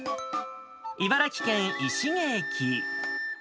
茨城県石下駅。